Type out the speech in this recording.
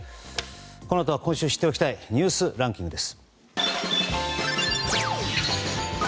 このあとは今週知っておきたいニュースランキングです。